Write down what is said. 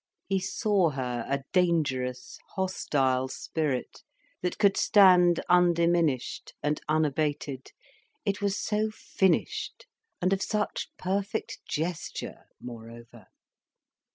He saw her a dangerous, hostile spirit, that could stand undiminished and unabated. It was so finished, and of such perfect gesture, moreover.